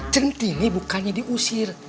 cinti ini bukannya diusir